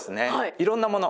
いろんなもの